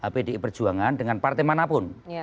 pdi perjuangan dengan partai manapun